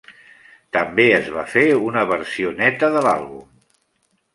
També es va fer una versió neta de l'àlbum.